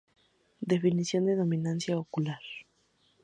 Definición de dominancia ocular